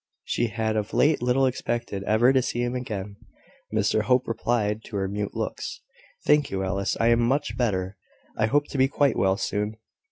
She had of late little expected ever to see him again. Mr Hope replied to her mute looks: "Thank you, Alice, I am much better. I hope to be quite well soon.